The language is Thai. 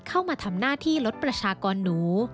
เข้ามาทำหน้าที่ลดประชากรหนู